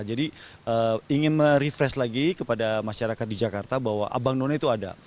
jadi ingin merefresh lagi kepada masyarakat di jakarta bahwa abang noni itu ada